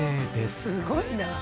すごいなあ。